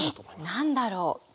何だろう？